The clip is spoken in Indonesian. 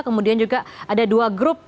kemudian juga ada dua grup